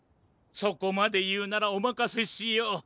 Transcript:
そこまでいうならおまかせしよう。